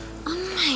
pusik lamaan disini